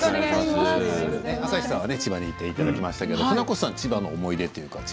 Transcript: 朝日さんは千葉に行っていただきましたけれども船越さん、千葉の思い出は。